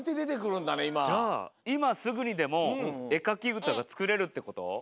じゃあいますぐにでもえかきうたがつくれるってこと？